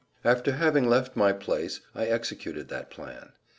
After having left my place I executed that plan.